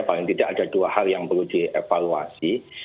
paling tidak ada dua hal yang perlu dievaluasi